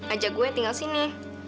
ajak gue tinggal sini